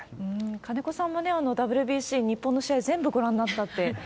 金子さんもね、ＷＢＣ、日本の試合、全部ご覧になったって。